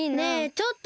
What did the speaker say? ちょっと！